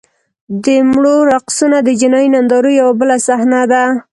د مړو رقصونه د جنایي نندارو یوه بله صحنه ده.